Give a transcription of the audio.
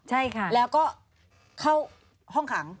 ใช่ค่ะแล้วก็เข้าห้องขัง